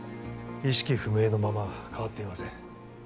意識不明のまま変わっていません。